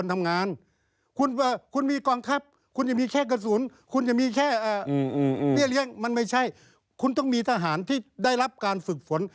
มันไม่ใช่คุณต้องมีทหารที่ได้รับการฝึกฝน